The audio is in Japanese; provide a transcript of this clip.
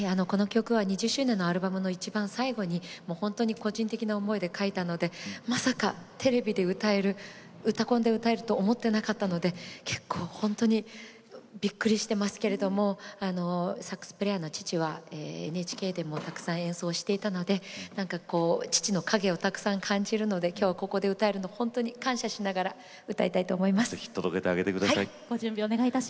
２０周年のアルバムのいちばん最後に個人的な思いで書いたのでまさか「うたコン」で歌えると思っていなかったので本当にびっくりしてますけれどもサックスプレーヤーの父はＮＨＫでもたくさん演奏をしていたので父の影をたくさん感じるので今日ここで歌えるのを本当にぜひ届けてあげてください。